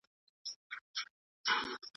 د نجلۍ باندنی ژوند بايد پټ ونه ساتل سي.